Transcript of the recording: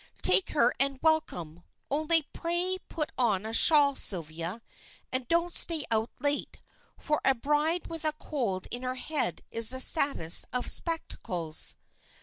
Take her and welcome, only pray put on a shawl, Sylvia, and don't stay out late, for a bride with a cold in her head is the saddest of spectacles."